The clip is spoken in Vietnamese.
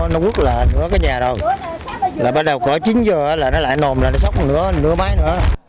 nó quốc là nửa cái nhà rồi là bắt đầu có chín giờ là nó lại nồm là nó sốc nửa mái nữa